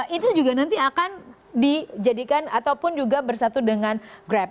itu juga nanti akan dijadikan ataupun juga bersatu dengan grab